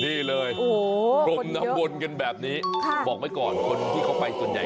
นี่เลยพรมน้ำวนกันแบบนี้บอกไว้ก่อนคนที่เขาไปส่วนใหญ่